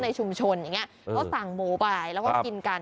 ในชุมชนอย่างนี้เขาสั่งหมูไปแล้วก็กินกัน